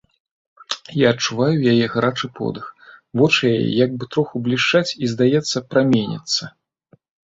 Я адчуваю яе гарачы подых, вочы яе як бы троху блішчаць і, здаецца, праменяцца.